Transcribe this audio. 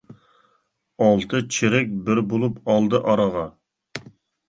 ئالتە چېرىك بىر بولۇپ ئالدى ئارىغا.